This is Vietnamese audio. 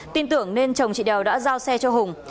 tin tưởng nên chồng chị đèo đã giao xe cho hùng